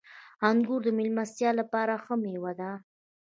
• انګور د میلمستیا لپاره ښه مېوه ده.